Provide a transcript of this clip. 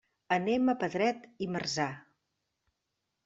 Anem a Pedret i Marzà.